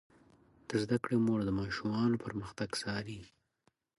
د زده کړې مور د ماشومانو پرمختګ څاري.